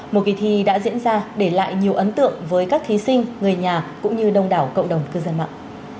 một kỳ thi đã diễn ra để lại nhiều ấn tượng với các thí sinh người nhà cũng như đông đảo cộng đồng cư dân mạng